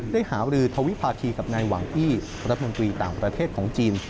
หารือทวิภาคีกับนายหวังอี้รัฐมนตรีต่างประเทศของจีน